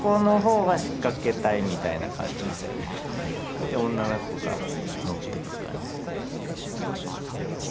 で女の子がのってく感じ。